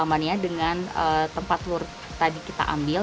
jadi ini harus dikawal